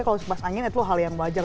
kalau sepas angin itu hal yang wajar